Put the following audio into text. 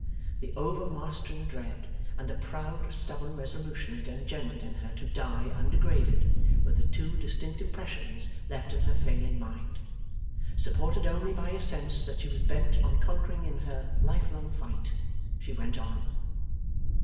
The overmastering dread, and the proud stubborn resolution it engendered in her to die undegraded, were the two distinct impressions left in her failing mind. Supported only by a sense that she was bent on conquering in her life long fight, she went on.